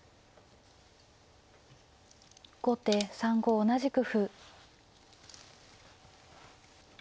後手３五同じく歩。